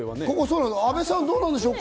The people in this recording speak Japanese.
阿部さん、どうなんでしょうか？